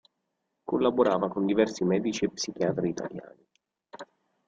Collaborava con diversi medici e psichiatri italiani.